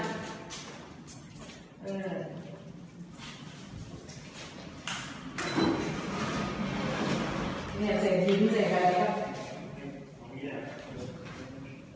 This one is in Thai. เนี่ยเสียงทิ้งเสียงใครนะครับ